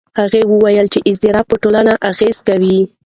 هغه وویل چې اضطراب په ټولنه اغېز کوي.